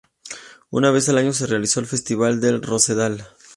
Una vez al año se realiza el Festival del Rosedal.